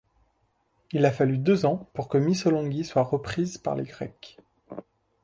Il fallut deux ans pour que Missolonghi soit reprise par les Grecs.